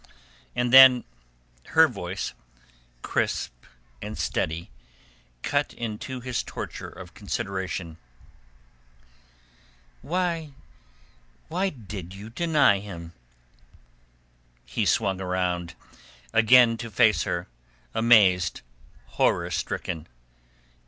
And then her voice, crisp and steady, cut into his torture of consideration. "Why did you deny him?" He swung round again to face her, amazed, horror stricken.